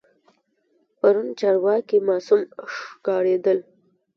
پرون چارواکي معصوم ښکارېدل.